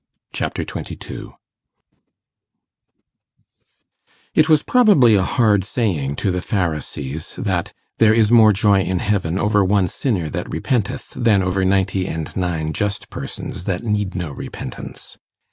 Chapter 22 It was probably a hard saying to the Pharisees, that 'there is more joy in heaven over one sinner that repenteth, than over ninety and nine just persons that need no repentance.